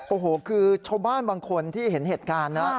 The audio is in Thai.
โอ้โหคือชาวบ้านบางคนที่เห็นเหตุการณ์นะ